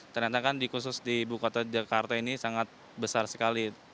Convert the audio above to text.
ternyata kan khusus di ibu kota jakarta ini sangat besar sekali